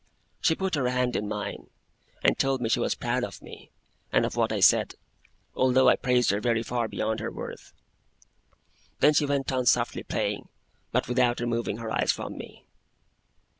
She put her hand in mine, and told me she was proud of me, and of what I said; although I praised her very far beyond her worth. Then she went on softly playing, but without removing her eyes from me.